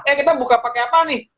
eh kita buka pakai apa nih